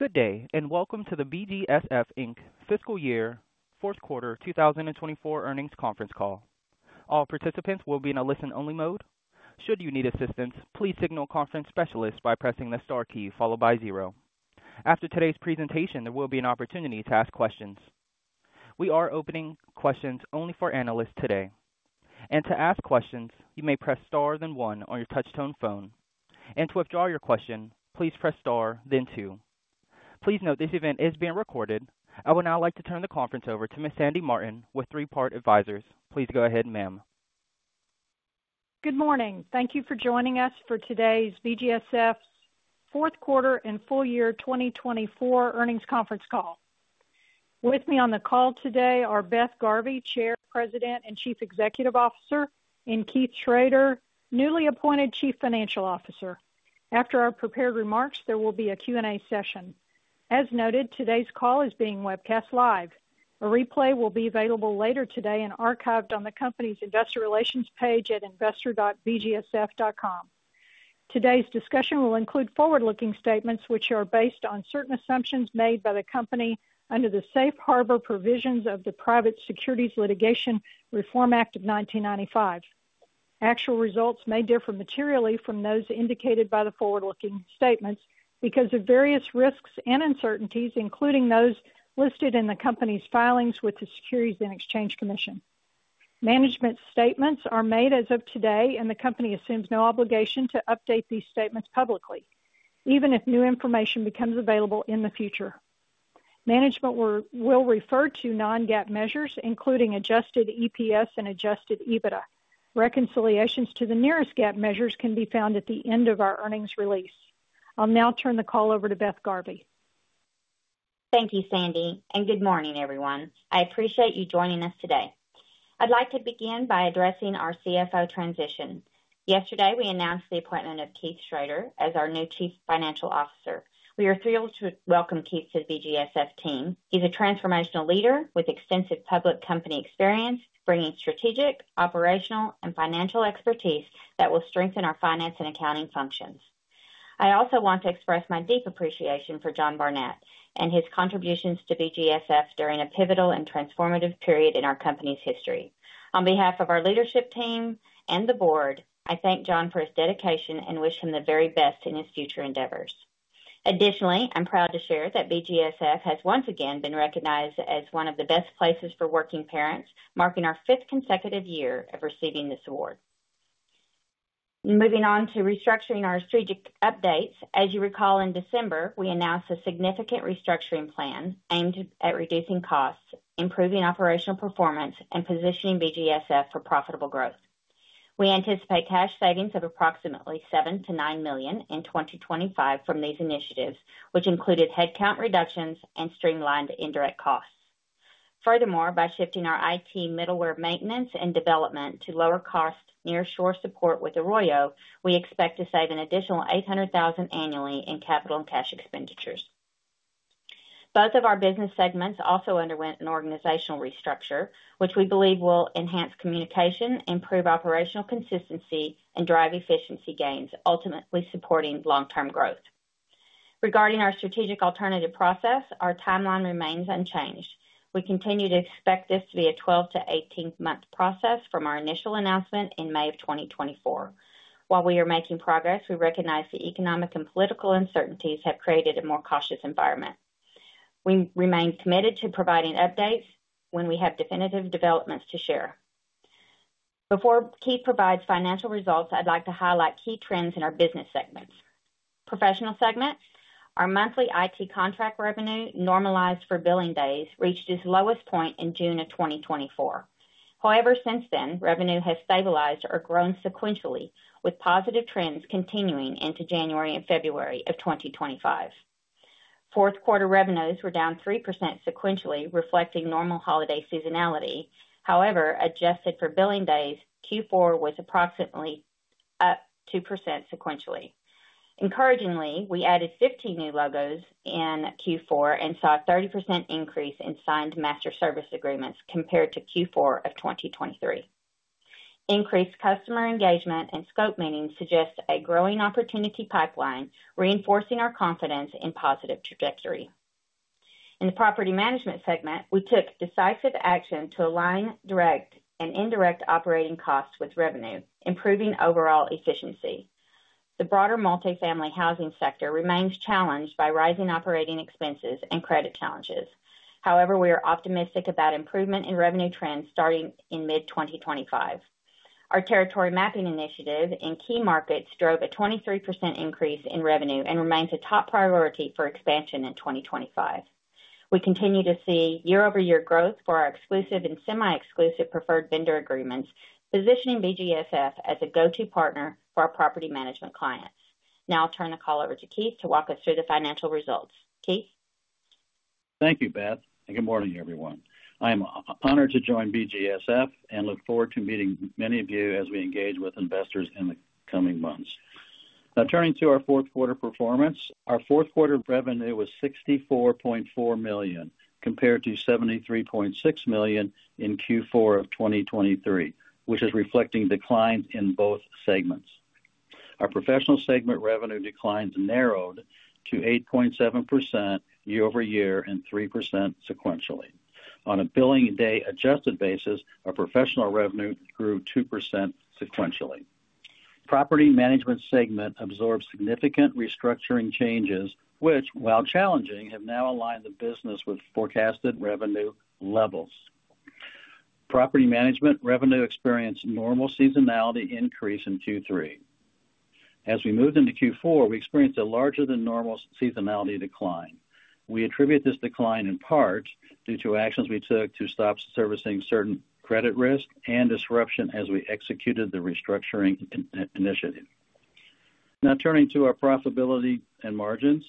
Good day, and welcome to the BGSF Fiscal Year Fourth Quarter 2024 Earnings Conference Call. All participants will be in a listen-only mode. Should you need assistance, please signal Conference Specialist by pressing the star key followed by zero. After today's presentation, there will be an opportunity to ask questions. We are opening questions only for analysts today. To ask questions, you may press star then one on your touch-tone phone. To withdraw your question, please press star then two. Please note this event is being recorded. I would now like to turn the conference over to Ms. Sandy Martin with Three Part Advisors. Please go ahead, ma'am. Good morning. Thank you for joining us for today's BGSF Fourth Quarter and Full Year 2024 Earnings Conference Call. With me on the call today are Beth Garvey, Chair, President, and Chief Executive Officer, and Keith Schroeder, newly appointed Chief Financial Officer. After our prepared remarks, there will be a Q&A session. As noted, today's call is being webcast live. A replay will be available later today and archived on the company's Investor Relations page at investor.bgsf.com. Today's discussion will include forward-looking statements which are based on certain assumptions made by the company under the Safe Harbor Provisions of the Private Securities Litigation Reform Act of 1995. Actual results may differ materially from those indicated by the forward-looking statements because of various risks and uncertainties, including those listed in the company's filings with the Securities and Exchange Commission. Management statements are made as of today, and the company assumes no obligation to update these statements publicly, even if new information becomes available in the future. Management will refer to non-GAAP measures, including Adjusted EPS and Adjusted EBITDA. Reconciliations to the nearest GAAP measures can be found at the end of our earnings release. I'll now turn the call over to Beth Garvey. Thank you, Sandy, and good morning, everyone. I appreciate you joining us today. I'd like to begin by addressing our CFO transition. Yesterday, we announced the appointment of Keith Schroeder as our new Chief Financial Officer. We are thrilled to welcome Keith to the BGSF team. He's a transformational leader with extensive public company experience, bringing strategic, operational, and financial expertise that will strengthen our finance and accounting functions. I also want to express my deep appreciation for John Barnett and his contributions to BGSF during a pivotal and transformative period in our company's history. On behalf of our leadership team and the Board, I thank John for his dedication and wish him the very best in his future endeavors. Additionally, I'm proud to share that BGSF has once again been recognized as one of the "Best Places for Working Parents," marking our fifth consecutive year of receiving this award. Moving on to restructuring our strategic updates, as you recall, in December, we announced a significant restructuring plan aimed at reducing costs, improving operational performance, and positioning BGSF for profitable growth. We anticipate cash savings of approximately $7 million to $9 million in 2025 from these initiatives, which included headcount reductions and streamlined indirect costs. Furthermore, by shifting our IT middleware maintenance and development to lower-cost nearshore support with Arroyo, we expect to save an additional $800,000 annually in capital and cash expenditures. Both of our business segments also underwent an organizational restructure, which we believe will enhance communication, improve operational consistency, and drive efficiency gains, ultimately supporting long-term growth. Regarding our strategic alternative process, our timeline remains unchanged. We continue to expect this to be a 12-18 month process from our initial announcement in May of 2024. While we are making progress, we recognize the economic and political uncertainties have created a more cautious environment. We remain committed to providing updates when we have definitive developments to share. Before Keith provides financial results, I'd like to highlight key trends in our business segments. Professional segment, our monthly IT contract revenue normalized for billing days reached its lowest point in June of 2024. However, since then, revenue has stabilized or grown sequentially, with positive trends continuing into January and February of 2025. Fourth quarter revenues were down 3% sequentially, reflecting normal holiday seasonality. However, adjusted for billing days, Q4 was approximately up 2% sequentially. Encouragingly, we added 15 new logos in Q4 and saw a 30% increase in signed master service agreements compared to Q4 of 2023. Increased customer engagement and scope meetings suggest a growing opportunity pipeline, reinforcing our confidence in positive trajectory. In the Property Management segment, we took decisive action to align direct and indirect operating costs with revenue, improving overall efficiency. The broader multifamily housing sector remains challenged by rising operating expenses and credit challenges. However, we are optimistic about improvement in revenue trends starting in mid-2025. Our territory mapping initiative in key markets drove a 23% increase in revenue and remains a top priority for expansion in 2025. We continue to see year-over-year growth for our exclusive and semi-exclusive preferred vendor agreements, positioning BGSF as a go-to partner for our property management clients. Now I'll turn the call over to Keith to walk us through the financial results. Keith? Thank you, Beth, and good morning, everyone. I am honored to join BGSF and look forward to meeting many of you as we engage with investors in the coming months. Now turning to our fourth quarter performance, our fourth quarter revenue was $64.4 million compared to $73.6 million in Q4 of 2023, which is reflecting declines in both segments. Our Professional segment revenue declines narrowed to 8.7% year-over-year and 3% sequentially. On a billing-day-adjusted basis, our Professional revenue grew 2% sequentially. Property Management segment absorbed significant restructuring changes, which, while challenging, have now aligned the business with forecasted revenue levels. Property Management revenue experienced normal seasonality increase in Q3. As we moved into Q4, we experienced a larger-than-normal seasonality decline. We attribute this decline in part due to actions we took to stop servicing certain credit risk and disruption as we executed the restructuring initiative. Now turning to our profitability and margins,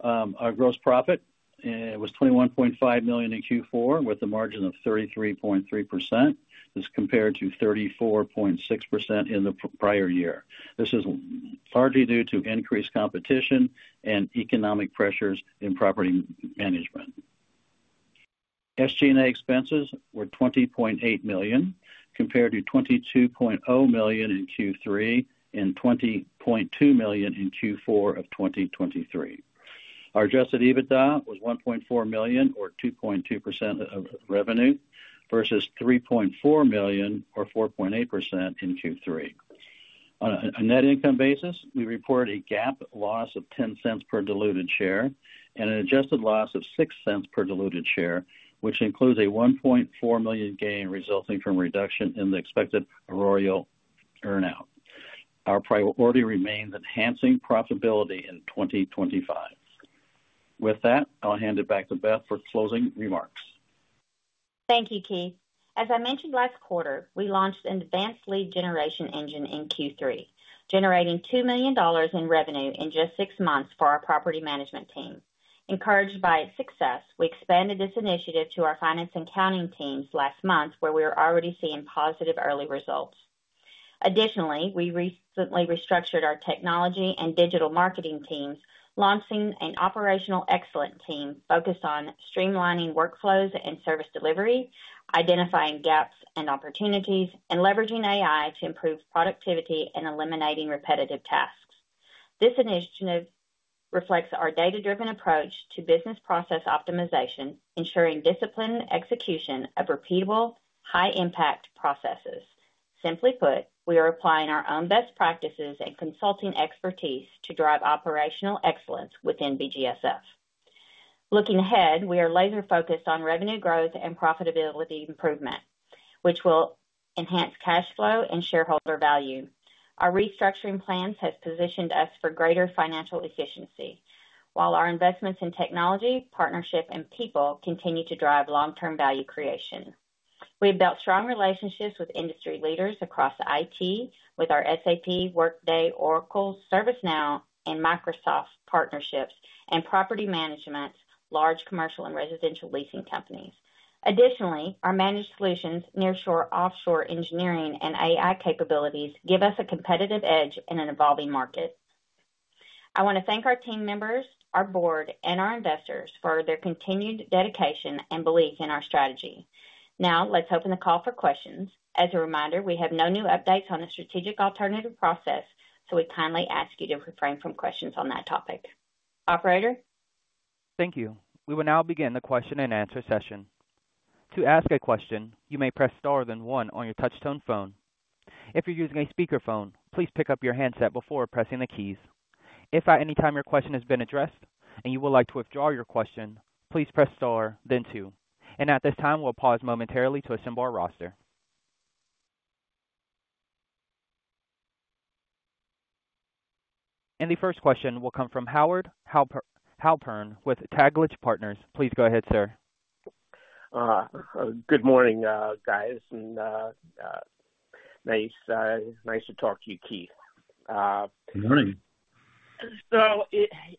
our gross profit was $21.5 million in Q4 with a margin of 33.3%. This is compared to 34.6% in the prior year. This is largely due to increased competition and economic pressures in Property Management. SG&A expenses were $20.8 million compared to $22.0 million in Q3 and $20.2 million in Q4 of 2023. Our Adjusted EBITDA was $1.4 million, or 2.2% of revenue, versus $3.4 million, or 4.8% in Q3. On a net income basis, we reported a GAAP loss of $0.10 per diluted share and an adjusted loss of $0.06 per diluted share, which includes a $1.4 million gain resulting from reduction in the expected Arroyo earnout. Our priority remains enhancing profitability in 2025. With that, I'll hand it back to Beth for closing remarks. Thank you, Keith. As I mentioned last quarter, we launched an advanced lead generation engine in Q3, generating $2 million in revenue in just six months for our Property Management team. Encouraged by its success, we expanded this initiative to our Finance and Accounting teams last month, where we were already seeing positive early results. Additionally, we recently restructured our technology and digital marketing teams, launching an Operational Excellence team focused on streamlining workflows and service delivery, identifying gaps and opportunities, and leveraging AI to improve productivity and eliminating repetitive tasks. This initiative reflects our data-driven approach to business process optimization, ensuring disciplined execution of repeatable, high-impact processes. Simply put, we are applying our own best practices and consulting expertise to drive operational excellence within BGSF. Looking ahead, we are laser-focused on revenue growth and profitability improvement, which will enhance cash flow and shareholder value. Our restructuring plans have positioned us for greater financial efficiency, while our investments in technology, partnership, and people continue to drive long-term value creation. We have built strong relationships with industry leaders across IT, with our SAP, Workday, Oracle, ServiceNow, and Microsoft partnerships, and Property Management, large commercial and residential leasing companies. Additionally, our Managed Solutions, nearshore, offshore engineering, and AI capabilities give us a competitive edge in an evolving market. I want to thank our team members, our Board, and our investors for their continued dedication and belief in our strategy. Now let's open the call for questions. As a reminder, we have no new updates on the strategic alternative process, so we kindly ask you to refrain from questions on that topic. Operator? Thank you. We will now begin the question and answer session. To ask a question, you may press star then one on your touch-tone phone. If you're using a speakerphone, please pick up your handset before pressing the keys. If at any time your question has been addressed and you would like to withdraw your question, please press star then two. At this time, we'll pause momentarily to assemble our roster. The first question will come from Howard Halpern with Taglich Partners. Please go ahead, sir. Good morning, guys. Nice to talk to you, Keith. Good morning.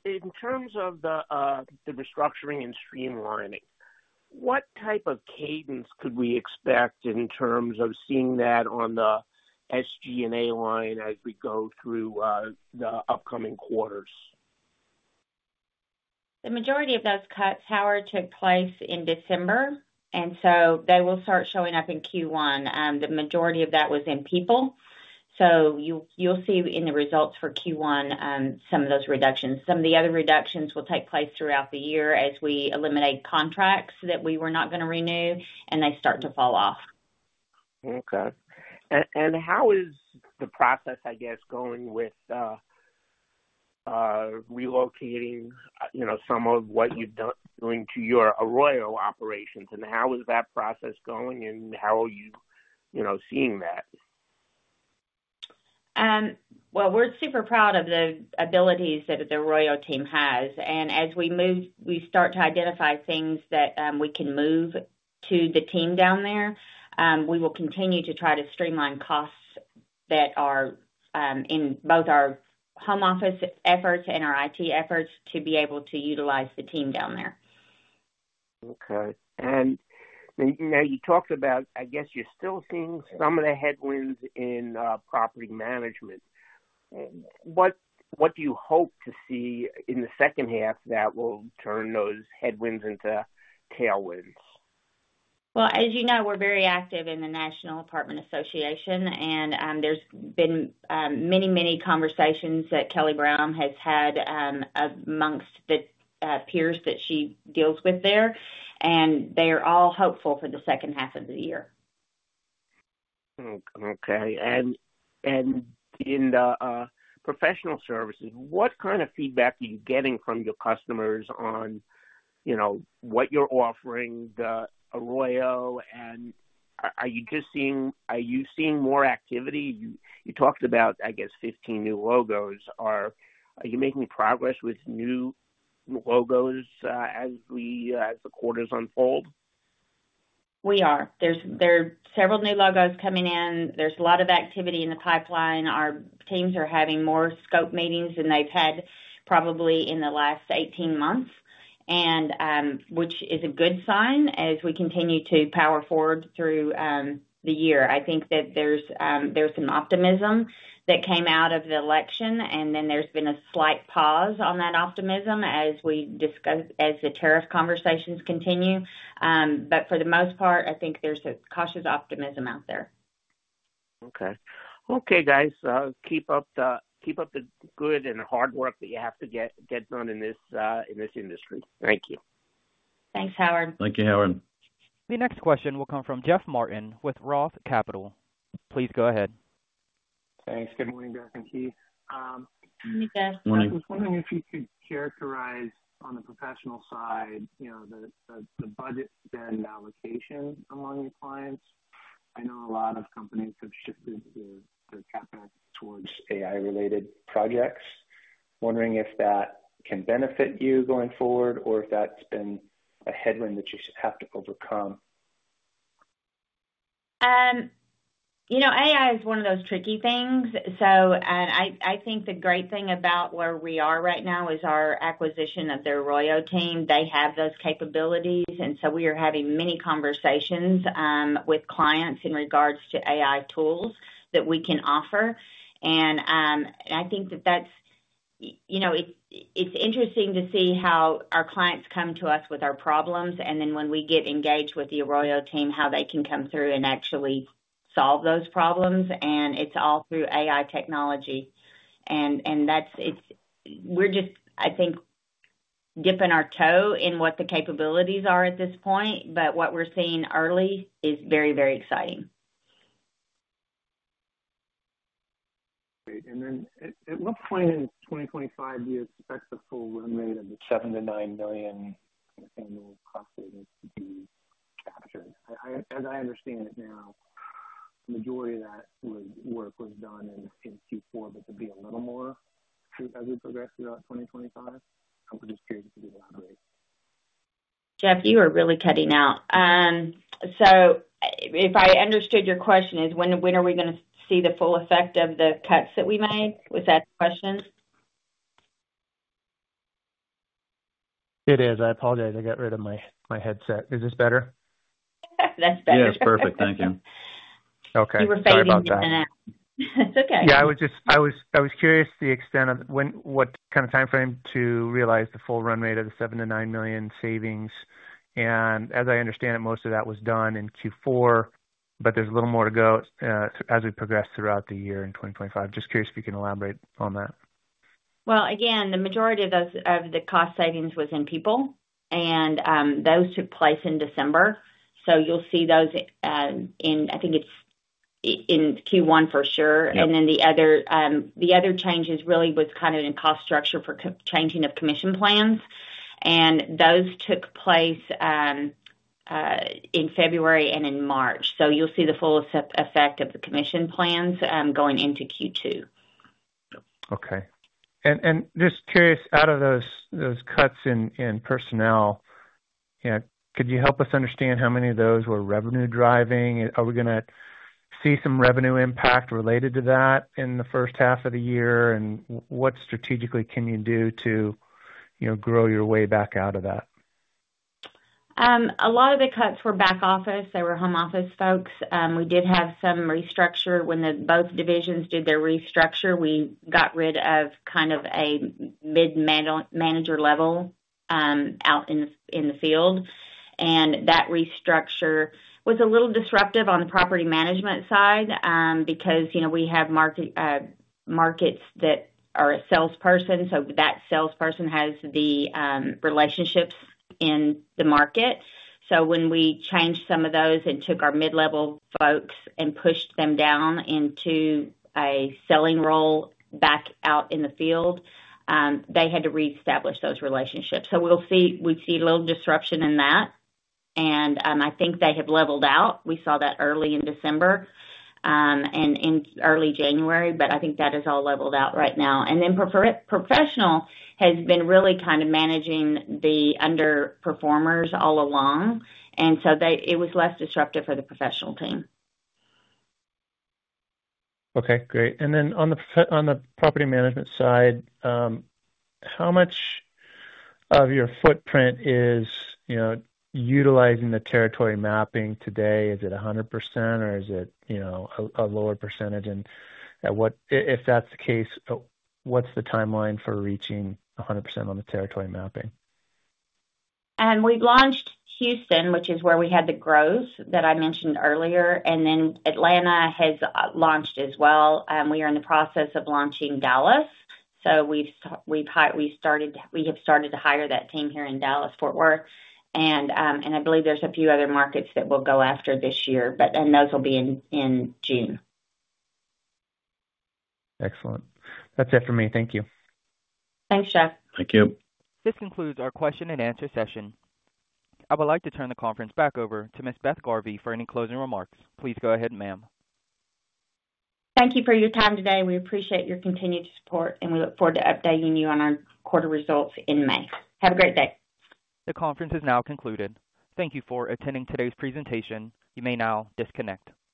In terms of the restructuring and streamlining, what type of cadence could we expect in terms of seeing that on the SG&A line as we go through the upcoming quarters? The majority of those cuts, Howard, took place in December, and they will start showing up in Q1. The majority of that was in people. You will see in the results for Q1 some of those reductions. Some of the other reductions will take place throughout the year as we eliminate contracts that we were not going to renew, and they start to fall off. Okay. How is the process, I guess, going with relocating some of what you're doing to your Arroyo operations? How is that process going, and how are you seeing that? We are super proud of the abilities that the Arroyo team has. As we start to identify things that we can move to the team down there, we will continue to try to streamline costs that are in both our home-office efforts and our IT efforts to be able to utilize the team down there. Okay. You talked about, I guess, you're still seeing some of the headwinds in property management. What do you hope to see in the second half that will turn those headwinds into tailwinds? As you know, we're very active in the National Apartment Association, and there's been many, many conversations that Kelly Brown has had amongst the peers that she deals with there, and they are all hopeful for the second half of the year. Okay. In the professional services, what kind of feedback are you getting from your customers on what you're offering to Arroyo? Are you just seeing more activity? You talked about, I guess, 15 new logos. Are you making progress with new logos as the quarters unfold? We are. There are several new logos coming in. There's a lot of activity in the pipeline. Our teams are having more scope meetings than they've had probably in the last 18 months, which is a good sign as we continue to power forward through the year. I think that there's some optimism that came out of the election, and then there's been a slight pause on that optimism as the tariff conversations continue. For the most part, I think there's a cautious optimism out there. Okay. Okay, guys. Keep up the good and hard work that you have to get done in this industry. Thank you. Thanks, Howard. Thank you, Howard. The next question will come from Jeff Martin with Roth Capital. Please go ahead. Thanks. Good morning, Beth and Keith. Hey, Jeff. Wondering if you could characterize on the professional side the budget spend allocation among your clients. I know a lot of companies have shifted their CapEx towards AI-related projects. Wondering if that can benefit you going forward or if that's been a headwind that you have to overcome. AI is one of those tricky things. I think the great thing about where we are right now is our acquisition of the Arroyo team. They have those capabilities, and we are having many conversations with clients in regards to AI tools that we can offer. I think that it's interesting to see how our clients come to us with our problems, and then when we get engaged with the Arroyo team, how they can come through and actually solve those problems. It's all through AI technology. We're just, I think, dipping our toe in what the capabilities are at this point, but what we're seeing early is very, very exciting. Great. At what point in 2025 do you expect the full revenue of the $7 million to $9 million annual cost savings to be captured? As I understand it now, the majority of that work was done in Q4, but to be a little more true as we progress throughout 2025, I'm just curious if you could elaborate. Jeff, you are really cutting out. If I understood your question, is when are we going to see the full effect of the cuts that we made? Was that the question? It is. I apologize. I got rid of my headset. Is this better? That's better. Yes, perfect. Thank you. Okay. You were fading in and out. That's okay. Yeah. I was curious to the extent of what kind of time frame to realize the full run rate of the $7 million to $9 million savings. And as I understand it, most of that was done in Q4, but there's a little more to go as we progress throughout the year in 2025. Just curious if you can elaborate on that. Again, the majority of the cost savings was in people, and those took place in December. You'll see those in, I think it's in Q1 for sure. The other change really was kind of in cost structure for changing of commission plans. Those took place in February and in March. You'll see the full effect of the commission plans going into Q2. Okay. Just curious, out of those cuts in personnel, could you help us understand how many of those were revenue-driving? Are we going to see some revenue impact related to that in the first half of the year? What strategically can you do to grow your way back out of that? A lot of the cuts were back-office. They were home office folks. We did have some restructure when both divisions did their restructure. We got rid of kind of a mid-manager level out in the field. That restructure was a little disruptive on the property management side because we have markets that are a salesperson, so that salesperson has the relationships in the market. When we changed some of those and took our mid-level folks and pushed them down into a selling role back out in the field, they had to re-establish those relationships. We will see a little disruption in that. I think they have leveled out. We saw that early in December and in early January, but I think that is all leveled out right now. Professional has been really kind of managing the underperformers all along. It was less disruptive for the professional team. Okay. Great. On the property management side, how much of your footprint is utilizing the territory mapping today? Is it 100%, or is it a lower percentage? If that's the case, what's the timeline for reaching 100% on the territory mapping? We've launched Houston, which is where we had the growth that I mentioned earlier. Atlanta has launched as well. We are in the process of launching Dallas. We have started to hire that team here in Dallas-Fort Worth. I believe there's a few other markets that will go after this year, and those will be in June. Excellent. That's it for me. Thank you. Thanks, Jeff. Thank you. This concludes our question and answer session. I would like to turn the conference back over to Ms. Beth Garvey for any closing remarks. Please go ahead, ma'am. Thank you for your time today. We appreciate your continued support, and we look forward to updating you on our quarter results in May. Have a great day. The conference is now concluded. Thank you for attending today's presentation. You may now disconnect.